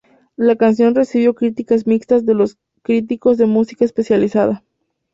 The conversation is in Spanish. La canción recibió críticas mixtas de los críticos de música especializada.